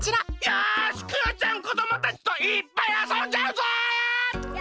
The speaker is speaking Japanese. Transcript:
よしクヨちゃんこどもたちといっぱいあそんじゃうぞ！